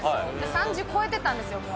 ３０超えてたんですよ、